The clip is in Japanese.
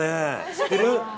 知ってる？